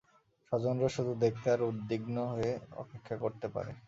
স্বজনরা শুধু দেখতে আর উদ্বিগ্ন হয়ে অপেক্ষা করতে পারে।